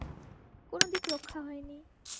কোনো দিক রক্ষা হয় নি।